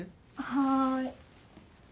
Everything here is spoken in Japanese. はい。